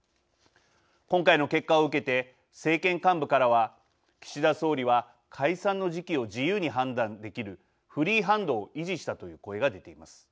今回の結果を受けて政権幹部からは岸田総理は解散の時期を自由に判断できるフリーハンドを維持したという声が出ています。